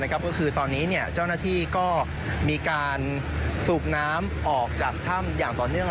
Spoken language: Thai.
ก็คือตอนนี้เจ้าหน้าที่ก็มีการสูบน้ำออกจากถ้ำอย่างต่อเนื่อง